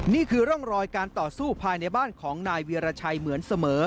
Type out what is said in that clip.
นี่คือร่องรอยการต่อสู้ภายในบ้านของนายเวียรชัยเหมือนเสมอ